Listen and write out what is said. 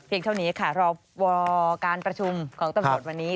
เท่านี้ค่ะรอการประชุมของตำรวจวันนี้